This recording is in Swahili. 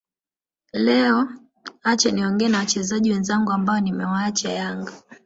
Leo acha niongee na wachezaji wenzangu ambao nimewaacha Yanga